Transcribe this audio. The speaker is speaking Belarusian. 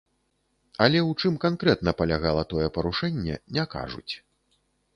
Але ў чым канкрэтна палягала тое парушэнне, не кажуць.